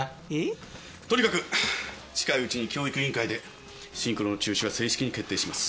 とにかく近いうちに教育委員会でシンクロの中止は正式に決定します。